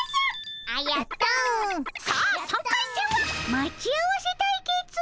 待ち合わせ対決。